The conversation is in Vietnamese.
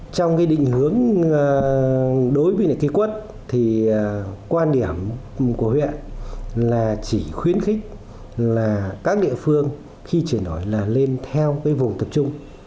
trong cái định hướng đối với cây quất thì quan điểm của huyện là chỉ khuyến khích là các địa phương khi chuyển đổi là lên theo cái vùng tập trung